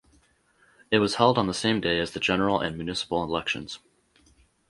It was held on the same day as the general and municipal elections.